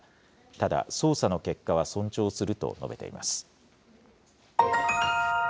ただ、捜査の結果は尊重すると述べています。